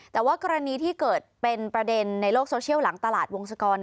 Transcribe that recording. แต่ว่ากรณีที่เกิดเป็นประเด็นในโลกโซเชียลหลังตลาดวงศกร